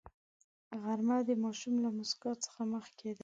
غرمه د ماشوم له موسکا څخه مخکې ده